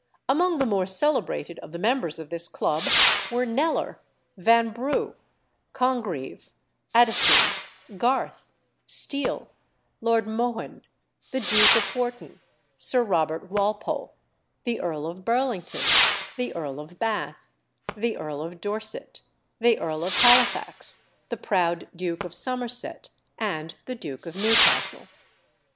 Among the more celebrated of the members of this club were Kneller, Vanbrugh, Congreve, Addison, Garth, Steele, Lord Mohun, the Duke of Wharton, Sir Robert Walpole, the Earl of Burlington, the Earl of Bath, the Earl of Dorset, the Earl of Halifax, the proud Duke of Somerset, and the Duke of Newcastle.